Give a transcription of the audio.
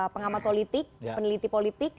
pengamat politik peneliti politik